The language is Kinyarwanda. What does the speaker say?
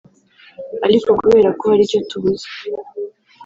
aliko kubera ko hari icyo tubuze